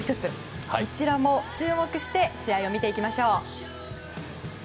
そちらも注目して試合を見ていきましょう。